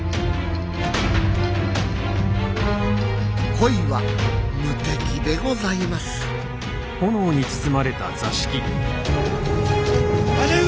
恋は無敵でございます姉上！